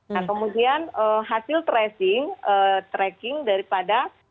nah kemudian hasil tracing tracking daripada